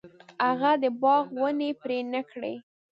هغه د باغ ونې پرې نه کړې.